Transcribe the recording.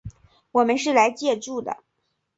我们是来借住的